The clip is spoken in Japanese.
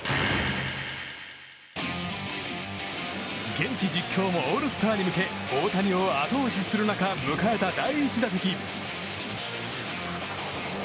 現地実況もオールスターに向け大谷を後押しする中迎えた第１打席。